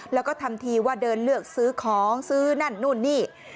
แล้วก็ทำทีว่าเดินเลือกซื้อของซื้อนั่นนู่นนี่